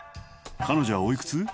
彼女はおいくつ？